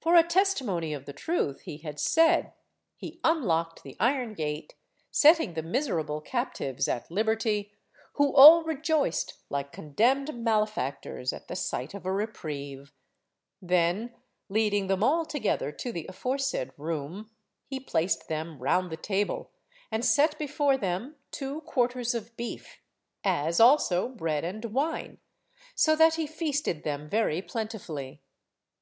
For a testimony of the truth he had said, he unlocked the iron gate, setting the miserable captives at liberty, who all rejoiced like condemned malefactors at the sight of a reprieve. Then, leading them all together to the aforesaid room, he placed them round the table, and set before them two quarters of beef, as also bread and wine, so that he feasted them very plentifully.